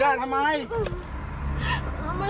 เอาแม่งอะไรล่ะ